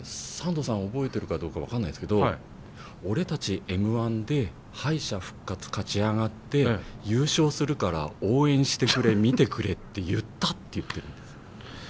サンドさん覚えてるかどうか分かんないんですけど「俺たちＭ‐１で敗者復活勝ち上がって優勝するから応援してくれ見てくれ」って言ったって言ってるんです。